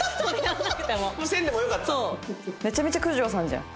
めちゃめちゃ九条さんじゃん。